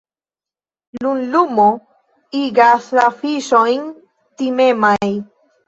Lunlumo igas la fiŝojn timemaj.